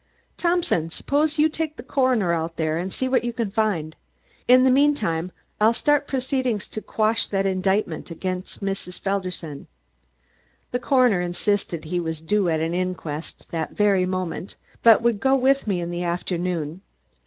"Thompson, suppose you take the coroner out there and see what you can find. In the meantime I'll start proceedings to quash that indictment against Mrs. Felderson." The coroner insisted he was due at an inquest that very moment, but would go with me in the afternoon.